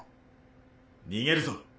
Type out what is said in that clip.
逃げるぞ。